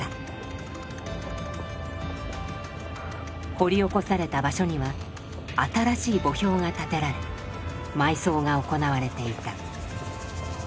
掘り起こされた場所には新しい墓標が立てられ埋葬が行われていた。